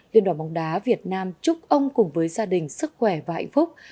liên đoàn bóng đá việt nam chúc ông cùng với gia đình sức khỏe và hạnh phúc